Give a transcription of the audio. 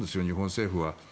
日本政府は。